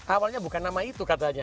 awalnya bukan nama itu katanya